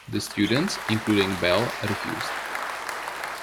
The students, including Bell, refused.